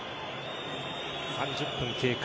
３０分経過。